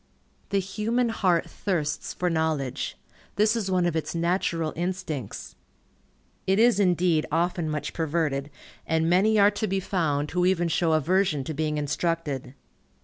The human heart thirsts for knowledge. This is one of its natural instincts. It is indeed often much perverted, and many are to be found who even show aversion to being instructed.